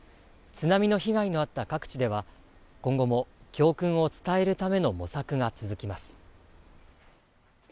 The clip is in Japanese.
津波の被害があった各地では、今後も教訓を伝えるための模索が続きます。